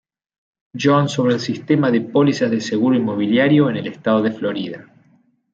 John sobre el sistema de pólizas de seguro inmobiliario en el estado de Florida.